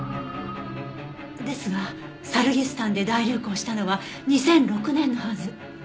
ですがサルギスタンで大流行したのは２００６年のはず。